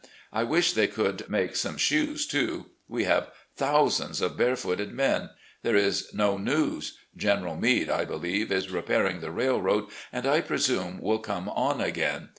I wish they could make some shoes, too. We have thousands of barefooted men. There is no news. General Meade, I believe, is repairing the railroad, and I prestune will come on again.